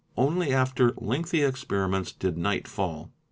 Only after lengthy experiments did night fall.